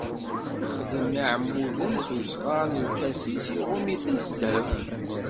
Ixdem iɛmuden s usɣar n lkasis, iɣumm-iten s ddheb.